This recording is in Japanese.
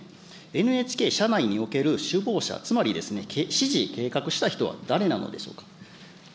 ＮＨＫ社内における首謀者、つまり指示、計画した人は誰なのでしょうか。